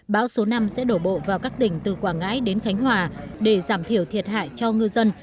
bão số năm sẽ đổ bộ vào các tỉnh từ quảng ngãi đến khánh hòa để giảm thiểu thiệt hại cho ngư dân